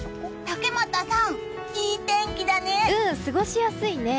竹俣さん、いい天気だね！